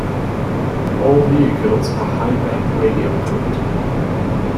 All vehicles are high-band radio equipped.